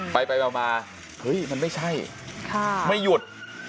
ไปมาเฮ้ยมันไม่ใช่ไม่หยุด